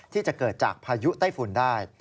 ที่จะเกิดจากพายุไต้ฝุ่นได้